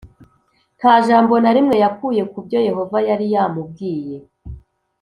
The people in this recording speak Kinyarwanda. Nta jambo na rimwe yakuye ku byo Yehova yari yamubwiye